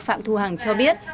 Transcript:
phạm thu hằng cho biết